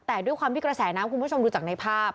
แต่ด้วยความที่กระแสน้ำคุณผู้ชมดูจากในภาพ